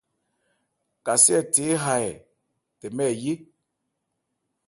Kasé hɛ the éha hɛ, tɛmɛ ɛ yé.